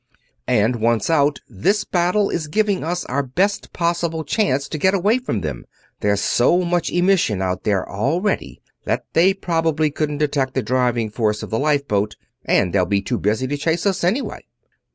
And once out, this battle is giving us our best possible chance to get away from them. There's so much emission out there already that they probably couldn't detect the driving force of the lifeboat, and they'll be too busy to chase us, anyway."